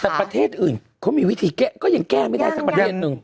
แต่ประเทศอื่นเขามีวิธีแก้ก็ยังแก้ไม่ได้สักประเทศนึง